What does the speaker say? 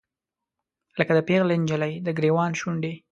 لکه د پیغلې نجلۍ، دګریوان شونډې